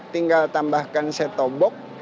tinggal tambahkan setobok